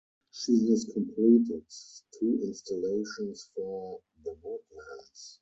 She has completed two installations for The Woodlands.